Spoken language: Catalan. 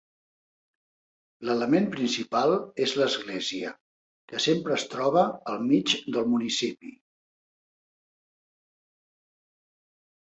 L'element principal és l'església, que sempre es troba al mig del municipi.